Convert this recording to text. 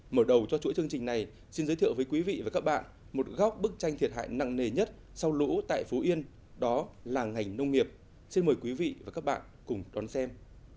mở đầu cho chuỗi chương trình này xin giới thiệu với quý vị và các bạn một góc bức tranh thiệt hại nặng nề nhất sau lũ tại phú yên đó là ngành nông nghiệp xin mời quý vị và các bạn cùng đón xem